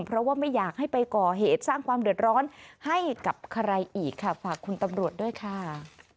เพราะว่าไม่อยากให้ไปก่อเหตุสร้างความเดือดร้อนให้กับใครอีกค่ะฝากคุณตำรวจด้วยค่ะ